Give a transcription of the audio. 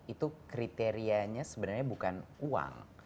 itu kriterianya sebenarnya bukan uang